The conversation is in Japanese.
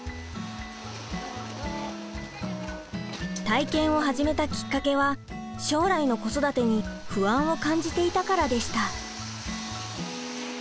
体験を始めたきっかけは将来の子育てに不安を感じていたからでした。